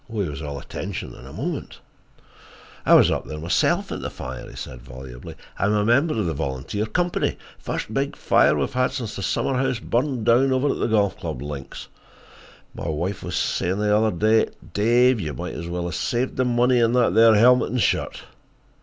He was all attention in a moment. "I was up there myself at the fire," he said volubly. "I'm a member of the volunteer company. First big fire we've had since the summer house burned over to the club golf links. My wife was sayin' the other day, 'Dave, you might as well 'a' saved the money in that there helmet and shirt.